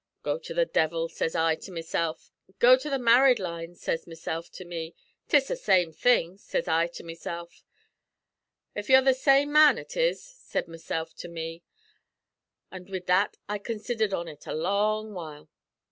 'Go to the devil,' sez I to mesilf. 'Go to the married lines,' sez mesilf to me. ''Tis the same thing,' sez I to mesilf. 'Av you're the same man, ut is,' said mesilf to me. An' wid that I considhered on ut a long while.